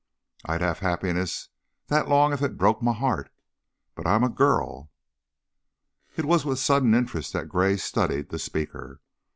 I'd have happiness that long if it broke my heart. But I'm a girl!" It was with a sudden interest that Gray studied the speaker.